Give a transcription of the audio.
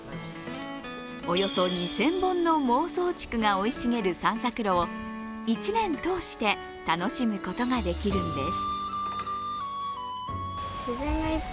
およそ２０００本の孟宗竹が生い茂る散策路を１年通して楽しむことができるんです。